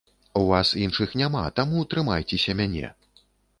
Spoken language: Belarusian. У вас іншых няма, таму трымайцеся мяне.